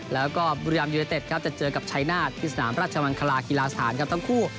แล้วก็บุรีรัมยูเนเต็ดครับจะเจอกับชายนาฏที่สนามราชมังคลากีฬาสถานครับทั้งคู่